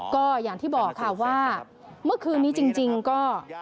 ก็อย่างที่บอกค่ะว่าเมื่อคืนนี้จริงก็